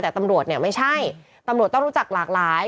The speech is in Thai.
แต่ตำรวจเนี่ยไม่ใช่ตำรวจต้องรู้จักหลากหลาย